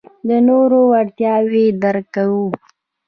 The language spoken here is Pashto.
د نورو اړتیاوې درک کوو.